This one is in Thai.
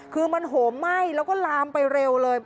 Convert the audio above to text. คือมันโหมไหม้แล้วก็ลามไปเร็วเลย